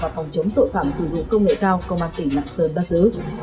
và phòng chống tội phạm sử dụng công nghệ cao công an tỉnh lạng sơn bắt giữ